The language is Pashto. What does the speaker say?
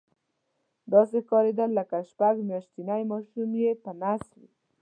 داسې ښکارېدل لکه شپږ میاشتنی ماشوم یې په نس وي.